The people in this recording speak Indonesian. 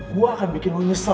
gue akan bikin lo nyesel